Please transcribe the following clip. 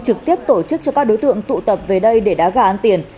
trực tiếp tổ chức cho các đối tượng tụ tập về đây để đá gà ăn tiền